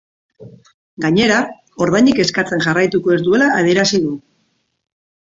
Gainera, ordainik eskatzen jarraituko ez duela adierazi du.